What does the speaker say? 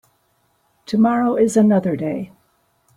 Tomorrow is another day.